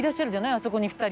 あそこに２人。